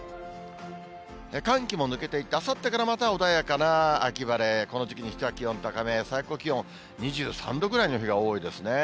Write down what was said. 寒気も抜けていって、あさってからまた穏やかな秋晴れ、この時期にしては気温高め、最高気温２３度ぐらいの日が多いですね。